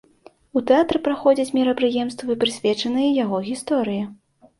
У тэатры праходзяць мерапрыемствы, прысвечаныя яго гісторыі.